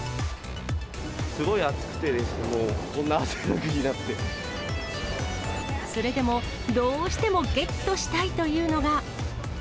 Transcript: すごい暑くて、それでも、どうしてもゲットしたいというのが。